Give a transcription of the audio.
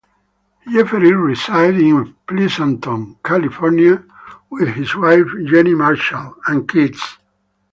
Jefferies resided in Pleasanton, California with his wife Jeannie Marshall and kids.